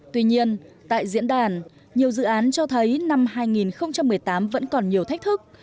tuy nhiên tại diễn đàn nhiều dự án cho thấy năm hai nghìn một mươi tám vẫn còn nhiều thách thức